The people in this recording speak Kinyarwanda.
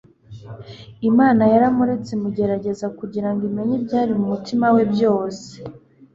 imana yaramuretse imugerageza kugira ngo imenye ibyari mu mutima we byose